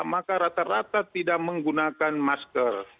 maka rata rata tidak menggunakan masker